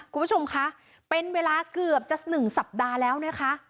คุณผู้ชมคะเป็นเวลาเกือบจะ๑สัปดาห์แล้วนะคะ